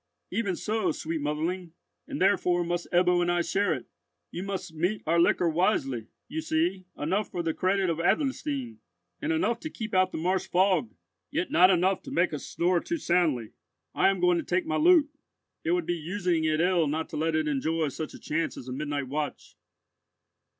"Even so, sweet motherling, and therefore must Ebbo and I share it. You must mete out your liquor wisely, you see, enough for the credit of Adlerstein, and enough to keep out the marsh fog, yet not enough to make us snore too soundly. I am going to take my lute; it would be using it ill not to let it enjoy such a chance as a midnight watch."